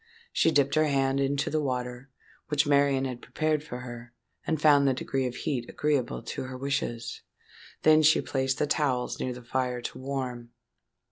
She dipped her hand into the water, which Marian had prepared for her, and found the degree of heat agreeable to her wishes. Then she placed the towels near the fire to warm.